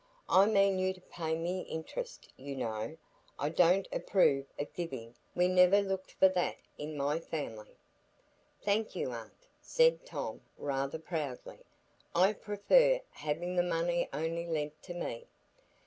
I mean you to pay me interest, you know; I don't approve o' giving; we niver looked for that in my family." "Thank you, aunt," said Tom, rather proudly. "I prefer having the money only lent to me."